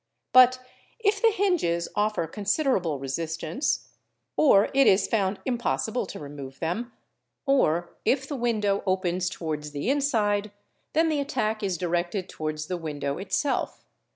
But if the hinges offer considerable resistance or it is found impossible to remove them, or if the window opens towards the inside, then the attack is directed towards the window itself.